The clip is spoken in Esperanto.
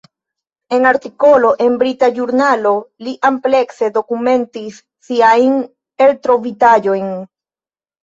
En artikolo en brita ĵurnalo li amplekse dokumentis siajn eltrovitaĵojn.